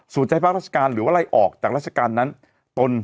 สู่ใจภาพราชการหรือว่าอะไรออกจากราชการนั้น